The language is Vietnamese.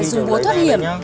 dù bố thoát hiểm